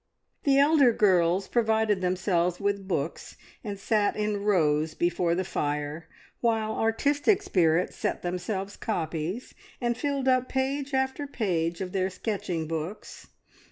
The elder girls provided themselves with books, and sat in rows before the fire, while artistic spirits set themselves copies, and filled up page after page of their sketching books.